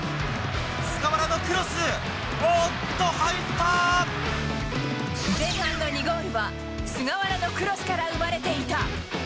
菅原のクロス、前半の２ゴールは、菅原のクロスから生まれていた。